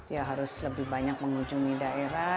ya harus lebih banyak mengunjungi daerah